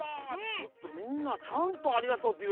ちょっとみんなちゃんとありがとうっていえてる。